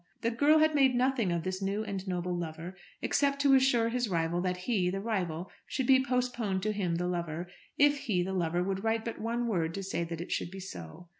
The girl had made nothing of this new and noble lover, except to assure his rival that he, the rival, should be postponed to him, the lover, if he, the lover, would write but one word to say that it should be so.